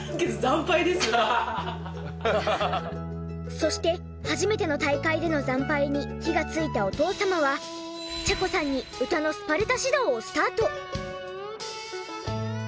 そして初めての大会での惨敗に火がついたお父様は茶子さんに歌のスパルタ指導をスタート。